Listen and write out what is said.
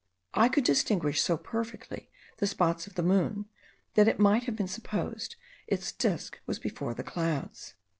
I could distinguish so perfectly the spots of the moon, that it might have been supposed its disk was before the clouds.